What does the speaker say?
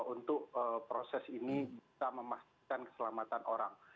untuk proses ini bisa memastikan keselamatan orang